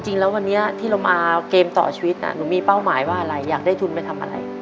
จริงแล้ววันนี้ที่เรามาเกมต่อชีวิตหนูมีเป้าหมายว่าอะไรอยากได้ทุนไปทำอะไร